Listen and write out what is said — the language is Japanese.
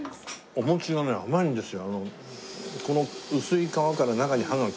お餅がね甘いんですよ。